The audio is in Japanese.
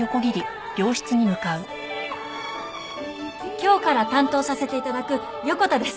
今日から担当させて頂く横田です。